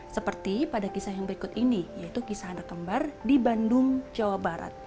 seperti pada kisah yang berikut ini yaitu kisah anak kembar di bandung jawa barat